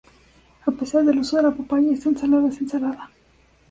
A pesar de uso de la papaya, esta ensalada es salada.